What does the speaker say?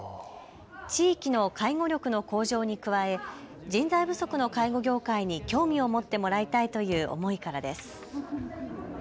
地域の介護力の向上に加え人材不足の介護業界に興味を持ってもらいたいという思いからです。